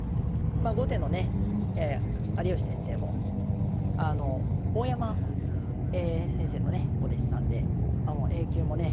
まあ後手のね有吉先生も大山先生のねお弟子さんでＡ級もね